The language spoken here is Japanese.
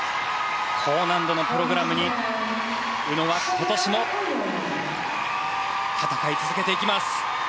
高難度のプログラムに、宇野は今年も戦い続けていきます。